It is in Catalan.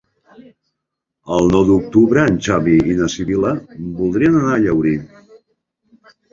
El nou d'octubre en Xavi i na Sibil·la voldrien anar a Llaurí.